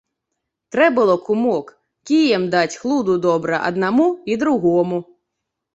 Трэ было, кумок, кіем даць хлуду добра аднаму і другому.